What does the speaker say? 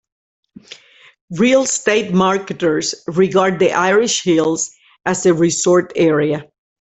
Real Estate marketers regard the Irish Hills as a resort area.